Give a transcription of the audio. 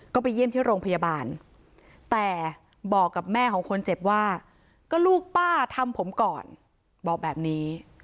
ก็ไปเยี่ยมที่โรงพยาบาลแต่บอกกับแม่ของคนเจ็บว่าก็ลูกป้าทำผมก่อนบอกแบบนี้